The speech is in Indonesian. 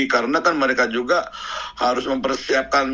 karena kan mereka juga harus mempersiapkan